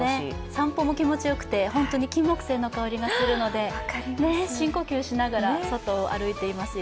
散歩も気持ちよくて、キンモクセイの香りがするので深呼吸しながら外を歩いていますよ。